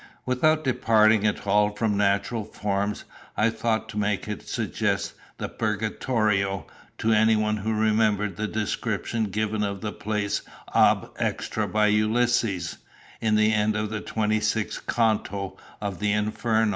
"Without departing at all from natural forms, I thought to make it suggest the Purgatorio to anyone who remembered the description given of the place ab extra by Ulysses, in the end of the twenty sixth canto of the Inferno.